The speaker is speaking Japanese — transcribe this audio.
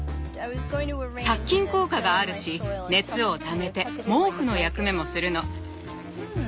殺菌効果があるし熱をためて毛布の役目もするの。